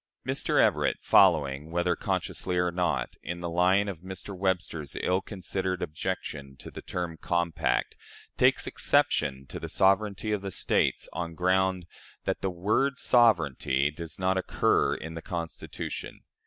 Mr. Everett, following, whether consciously or not, in the line of Mr. Webster's ill considered objection to the term "compact," takes exception to the sovereignty of the States on the ground that "the word 'sovereignty' does not occur" in the Constitution.